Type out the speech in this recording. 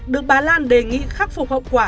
được bà lan đề nghị khắc phục hậu quả